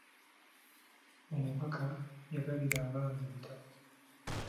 Omubaka yagabira abaana ebitabo.